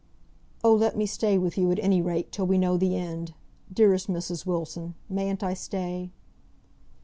"Oh, let me stay with you, at any rate, till we know the end. Dearest Mrs. Wilson, mayn't I stay?"